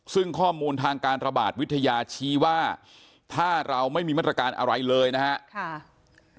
ซึ่งข้อมูลทางการระบาดวิทยาชี้ว่าถ้าเราไม่มีมาตรการอะไรเลยนะครับ